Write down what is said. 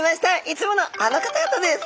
いつものあの方々です！